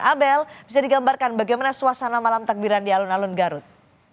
abel bisa digambarkan bagaimana suasana malam takbiran di alun alun garut